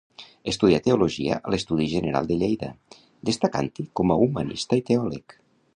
Estudià teologia a l'Estudi General de Lleida, destacant-hi com a humanista i teòleg.